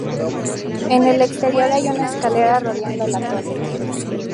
En el exterior hay una escalera rodeando la torre.